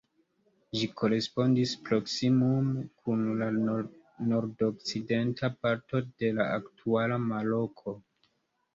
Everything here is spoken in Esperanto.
Ĝi korespondis proksimume kun la nordokcidenta parto de la aktuala Maroko.